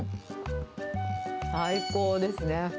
最高ですね。